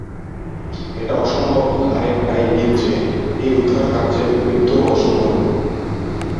এটা সম্ভবত আরেকটা ইঙ্গিত যে এই উদ্ধারকার্যে মৃত্যুও অসম্ভব নয়।